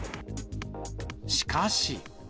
しかし。